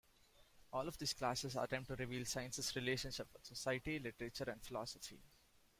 All of these classes attempt to reveal science's relationship with society, literature, and philosophy.